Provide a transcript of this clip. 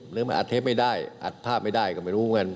หรืออัดเทปไม่ได้อัดภาพไม่ได้ก็ไม่รู้กัน